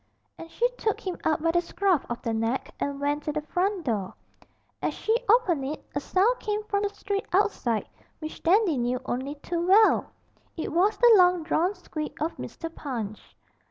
And she took him up by the scruff of the neck and went to the front door. As she opened it, a sound came from the street outside which Dandy knew only to well: it was the long drawn squeak of Mr. Punch.